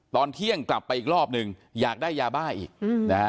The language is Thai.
ตอนเที่ยงกลับไปอีกรอบหนึ่งอยากได้ยาบ้าอีกนะฮะ